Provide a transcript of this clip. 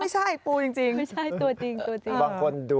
ไม่ใช่ปูจริง